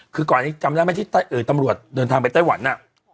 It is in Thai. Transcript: คือก่อนนี้จำได้ไหมที่ตำรวจเดินทางไปไต้หวัน